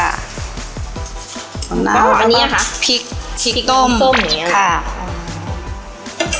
อันนี้คือพริกต้ม